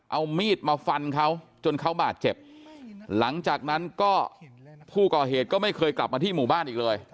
เอามีดมาฟันเขาจนเขาบาดเจ็บหลังจากนั้นก็ผู้ก่อเหตุก็ไม่เคยกลับมาที่หมู่บ้านอีกเลย